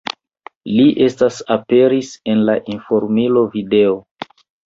Li estas aperis en la Informilo Video.